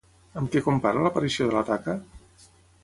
Amb què compara l'aparició de la taca?